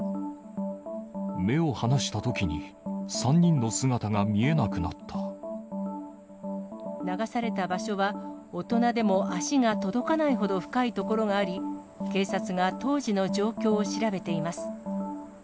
目を離したときに、３人の姿流された場所は、大人でも足が届かないほど深い所があり、警察が当時の状況を調べています。